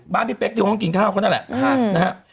บ้านพี่เป๊กอยู่ในห้องกินข้าวของนั่นแหละ